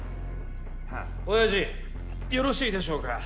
オヤジよろしいでしょうか？